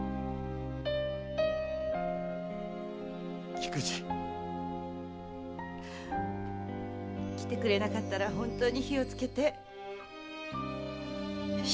菊路。来てくれなかったら本当に火をつけて死ぬ気だった！